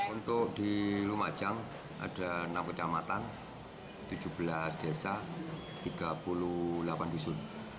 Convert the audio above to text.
untuk di lumajang ada enam kecamatan tujuh belas desa tiga puluh delapan dusun